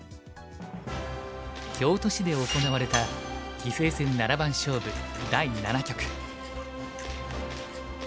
京都市で行われた棋聖戦七番勝負第七局。